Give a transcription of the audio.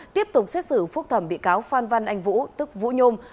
tiếp tục xét xử phúc thẩm bị cáo phan văn anh vũ tức vũ nhôm